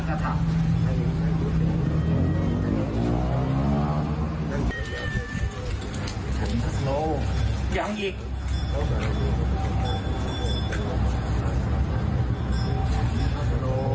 อย่างนี้